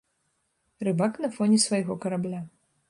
Рыбак на фоне свайго карабля.